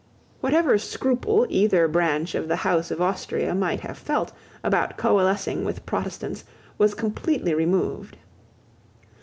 Whatever scruple either branch of the House of Austria might have felt about coalescing with Protestants was completely removed.